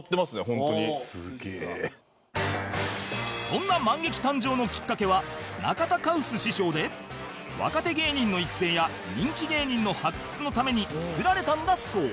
そんなマンゲキ誕生のきっかけは中田カウス師匠で若手芸人の育成や人気芸人の発掘のために作られたんだそう